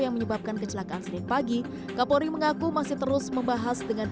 yang menyebabkan kecelakaan senin pagi kapolri mengaku masih terus membahas dengan